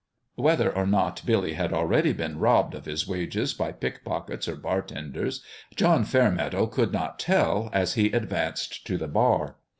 Whether or not Billy had already been robbed of his wages by pickpockets or bartenders, John Fairmeadow could not tell, as he advanced to the bar.